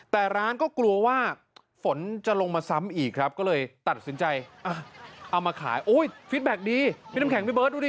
แต่ร้านก็กลัวว่าฝนจะลงมาซ้ำอีกครับก็เลยตัดสินใจเอามาขายโอ้ยฟิตแบ็คดีพี่น้ำแข็งพี่เบิร์ดดูดิ